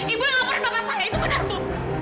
ibu yang laporkan bapak saya itu benar bu